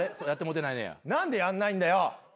何でやんないんだよ。